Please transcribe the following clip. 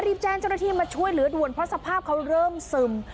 รีบแจ้งเจ้าหน้าที่มาช่วยเหลือด่วนเพราะสภาพเขาเริ่มซึม